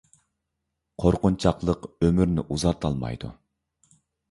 قورقۇنچاقلىق ئۆمۈرنى ئۇزارتالمايدۇ